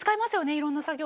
いろんな作業。